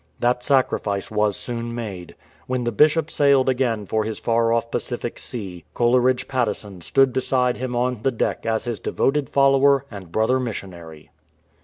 That sacrifice was soon made. When the Bishop sailed again for his far off Pacific see, Coleridge Patteson stood beside him on the deck as his devoted follower and brother missionary.